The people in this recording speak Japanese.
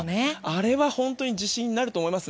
あれは本当に自信になると思います。